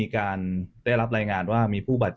ครับ